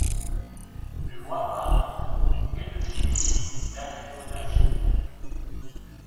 L'oibara est le suicide d'inféodation.